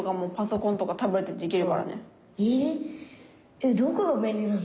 えっ。